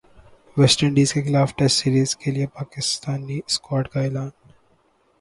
waste انڈیزکےخلاف test series کے لیےپاکستانی اسکواڈ کا اعلان